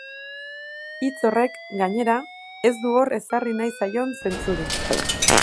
Hitz horrek, gainera, ez du hor ezarri nahi zaion zentzurik.